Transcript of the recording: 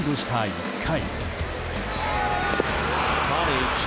１回。